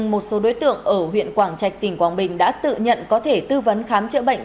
một số đối tượng ở huyện quảng trạch tỉnh quảng bình đã tự nhận có thể tư vấn khám chữa bệnh